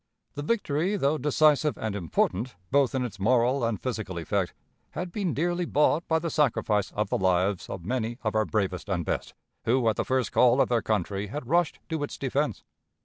The victory, though decisive and important, both in its moral and physical effect, had been dearly bought by the sacrifice of the lives of many of our bravest and best, who at the first call of their country had rushed to its defense.